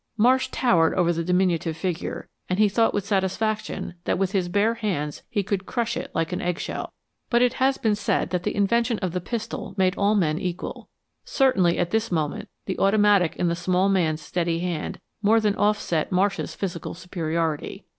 Marsh towered above the diminutive figure, and he thought with satisfaction that with his bare hands he could crush it like an eggshell. But it has been said that the invention of the pistol made all men equal. Certainly at this moment the automatic in the small man's steady hand more than offset Marsh's physical superiority.